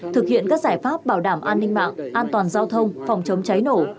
thực hiện các giải pháp bảo đảm an ninh mạng an toàn giao thông phòng chống cháy nổ